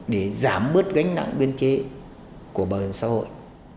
để giảm bớt gánh nặng biên chế của bảo hiểm xã hội